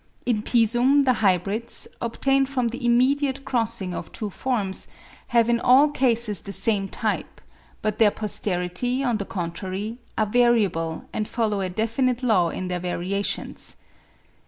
In Pisum the hybrids, obtained from the immediate crossing of two forms, have in all cases the same type, but their posterity, on the contrary, are variable and follow a definite law in their variations.